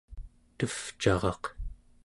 tevcaraq